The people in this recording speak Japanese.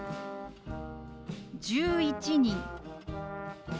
「１１人」。